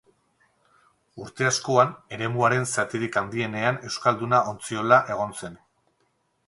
Urte askoan eremuaren zatirik handienean Euskalduna ontziola egon zen.